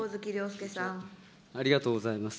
ありがとうございます。